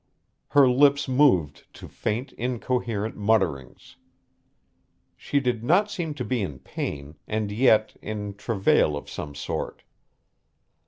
Her lips moved to faint, incoherent mutterings. She did not seem to be in pain, and yet in travail of some sort.